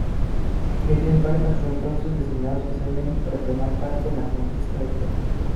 Reyes Vargas fue entonces designado especialmente para tomar parte en la conquista de Coro.